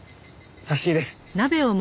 差し入れ。